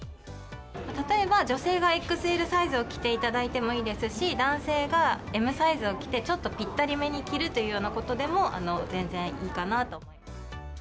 例えば女性がＸＬサイズを着ていただいてもいいですし、男性がＭサイズを着て、ちょっとぴったりめに着るというようなことでも、全然いいかなと。